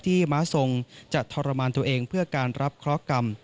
ม้าทรงจะทรมานตัวเองเพื่อการรับเคราะห์กรรม